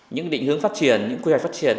những định hướng phát triển những quy hoạch phát triển